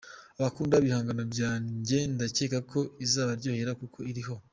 Abakunda ibihangano byanjye ndakeka ko izabaryohera kuko iriho.